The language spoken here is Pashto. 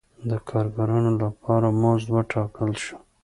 د کارګرانو لپاره مزد وټاکل شو.